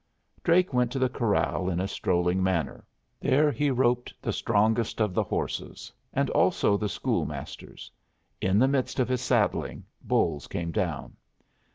Drake went to the corral in a strolling manner. There he roped the strongest of the horses, and also the school master's. In the midst of his saddling, Bolles came down.